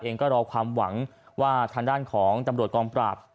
เองก็รอความหวังว่าทางด้านของตำรวจกองปราบ